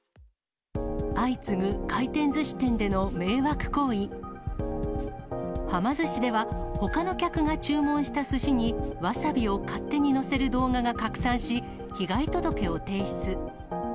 相次ぐ回転ずし店での迷惑行為。はま寿司では、ほかの客が注文したすしにわさびを勝手に載せる動画が拡散し、被害届を提出。